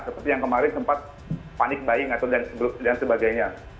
seperti yang kemarin sempat panik baying dan sebagainya